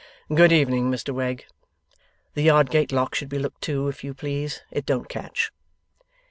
'Good evening, Mr Wegg. The yard gate lock should be looked to, if you please; it don't catch.